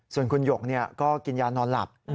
ส่วนคุณหยกก็กินยานอนหลับ